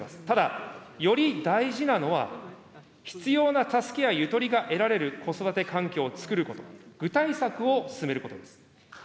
ただ、より大事なのは、必要な助けやゆとりが得られる子育て環境をつくること、具体策を進めることです。